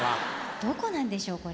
どこなんでしょうこれ。